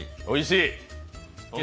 おいしい。